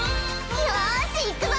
よしいくぞ！